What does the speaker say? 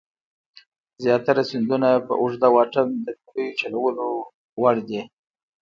زیاتره سیندونه په اوږده واټن د بېړیو چلولو وړ دي.